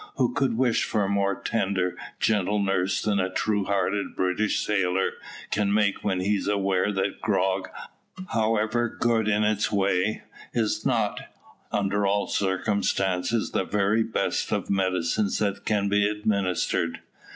Who could wish for a more tender, gentle nurse than a true hearted British sailor can make when he is aware that grog, however good in its way, is not, under all circumstances, the very best of medicines that can be administered?